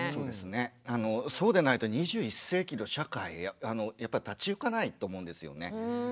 そうでないと２１世紀の社会やっぱ立ちゆかないと思うんですよね。